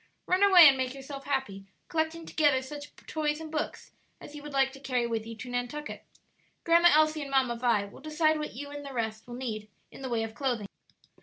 Run away and make yourself happy, collecting together such toys and books as you would like to carry with you to Nantucket. Grandma Elsie and Mamma Vi will decide what you and the rest will need in the way of clothing."